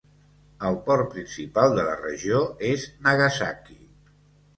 El port principal de la regió és Nagasaki.